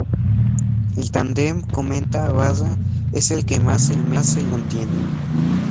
El tándem cometa-barra es el que más elementos contiene.